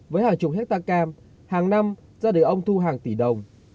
với hàng chục hectare cam hàng năm ra đời ông thu hàng tỷ đồng